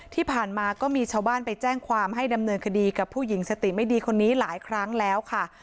ที่ผ่านมาก็มีชาวบ้านไปแจ้งความให้ดำเนินคดีกับผู้หญิงสติไม่ดีคนนี้หลายครั้งแล้วค่ะ